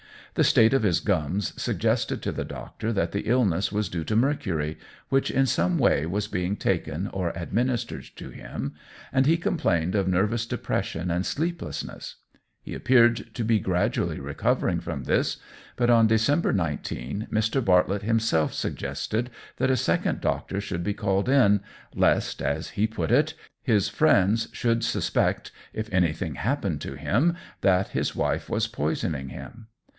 The state of his gums suggested to the doctor that the illness was due to mercury, which in some way was being taken or administered to him, and he complained of nervous depression and sleeplessness. He appeared to be gradually recovering from this, but on December 19, Mr. Bartlett himself suggested that a second doctor should be called in, lest, as he put it, "his friends should suspect, if anything happened to him, that his wife was poisoning him."